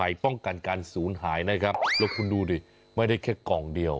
ป้องกันการศูนย์หายนะครับแล้วคุณดูดิไม่ได้แค่กล่องเดียว